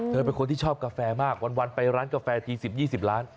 เค้าไปคนที่ชอบกาแฟมากวันไปร้านกาแฟสัก๒๐ร้าน